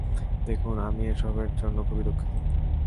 দেখুন, আমি এসবের জন্য খুবই দুঃখিত।